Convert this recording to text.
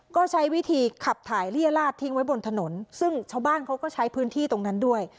ก็ใช้วิธีขับถ่ายเลี่ยลาดทิ้งไว้บนถนนซึ่งชาวบ้านเขาก็ใช้พื้นที่ตรงนั้นด้วย